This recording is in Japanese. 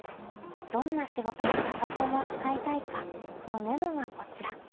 「どんな仕事にパソコンを使いたいか？」のメモがこちら。